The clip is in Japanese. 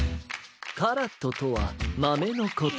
カラットとはまめのこと。